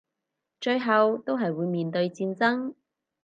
最後都係會面對戰爭